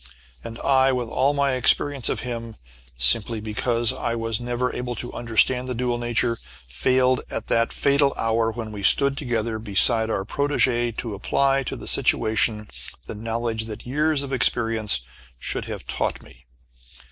And I, with all my experience of him, simply because I was never able to understand the dual nature, failed at that fatal hour when we stood together beside our protégée to apply to the situation the knowledge that years of experience should have taught me.